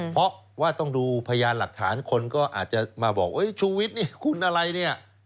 เพราะว่าต้องดูพยานหลักฐานคนก็อาจจะมาบอกชูวิทย์นี่หุ้นอะไรเนี่ย